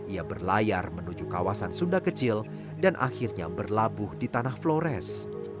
ia berlayar menuju kawasan sunda kecil dan akhirnya berlabuh di tanah flores